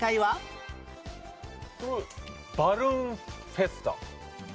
えっバルーンフェスタ。